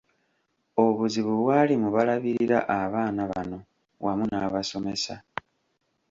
Obuzibu bwali mu balabirira abaana bano wamu n’abasomesa.